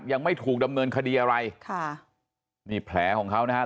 ยังไม่ถูกดำเนินคดีอะไรค่ะนี่แผลของเขานะครับ